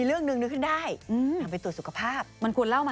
อืม